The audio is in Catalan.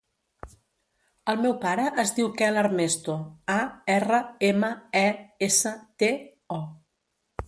El meu pare es diu Quel Armesto: a, erra, ema, e, essa, te, o.